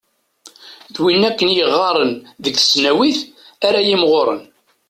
D win akken i yeɣɣaren deg tesnawit ara yimɣuren.